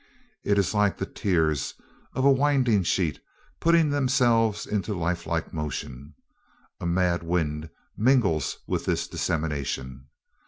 It is like the tears of a winding sheet putting themselves into lifelike motion. A mad wind mingles with this dissemination.